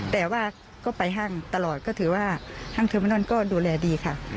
แต่ว่าก็ไปห้างตลอดก็ถือว่าห้างเทอร์มินอนก็ดูแลดีค่ะ